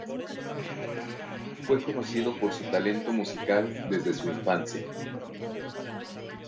Fue conocido por su talento musical desde su infancia.